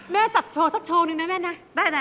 แม่จับโชว์สักโชว์หนึ่งนะแม่นะ